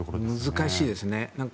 難しいですね。